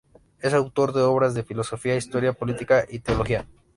Es autor de obras de filosofía, historia, política y teología.